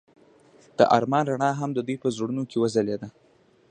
د آرمان رڼا هم د دوی په زړونو کې ځلېده.